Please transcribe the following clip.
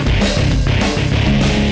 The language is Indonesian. bantu orang dulu